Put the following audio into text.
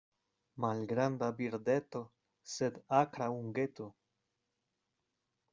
Malgranda birdeto, sed akra ungeto.